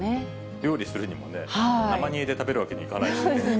料理するにもね、生煮えで食べるわけにいかないしね。